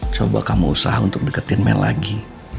coba kamu usaha untuk deketin main lagi